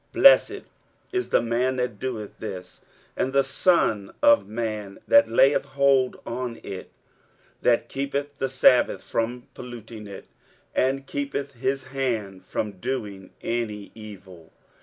23:056:002 Blessed is the man that doeth this, and the son of man that layeth hold on it; that keepeth the sabbath from polluting it, and keepeth his hand from doing any evil.